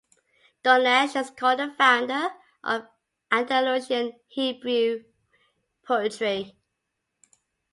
Dunash is called the founder of Andalusian Hebrew poetry.